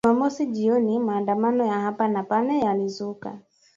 Jumamosi jioni maandamano ya hapa na pale yalizuka